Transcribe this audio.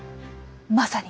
まさに。